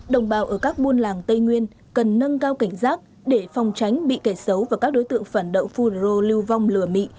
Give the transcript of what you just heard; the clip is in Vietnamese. đồng bào ở các buôn làng tây nguyên cần nâng cao cảnh giác để phòng tránh bị kẻ xấu và các đối tượng phản động phun rô lưu vong lừa mị